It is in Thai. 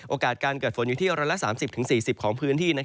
โอกาสการเกิดฝนอยู่ที่๑๓๐๔๐ของพื้นที่